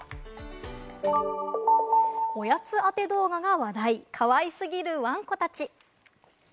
おやつ当て動画が話題、かわいすぎるワンコたち。